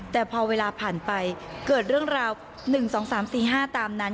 แต่พอเวลาผ่านไปเกิดเรื่องราว๑๒๓๔๕ตามนั้น